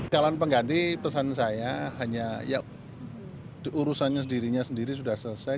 calon pengganti pesan saya hanya ya urusannya sendirinya sendiri sudah selesai